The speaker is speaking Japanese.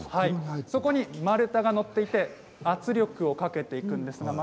そこに丸太が載っていて圧力をかけていくんです。